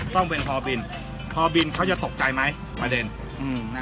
ต้องเป็นพอบินพอบินเขาจะตกใจไหมประเด็น